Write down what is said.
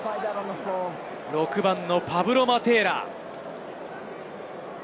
６番のパブロ・マテーラ。